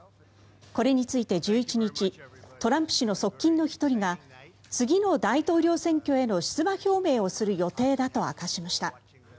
これについて１１日トランプ氏の側近の１人が次の大統領選挙への出馬表明をする予定だと明かしました。